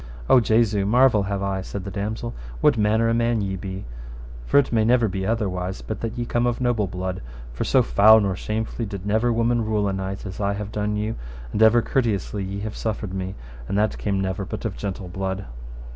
O Jesu, marvel have I, said the damosel, what manner a man ye be, for it may never be otherwise but that ye be come of a noble blood, for so foul nor shamefully did never woman rule a knight as I have done you, and ever courteously ye have suffered me, and that came never but of a gentle blood.